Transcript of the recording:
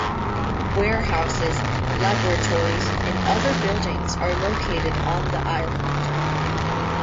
Warehouses, laboratories, and other buildings are located on the island.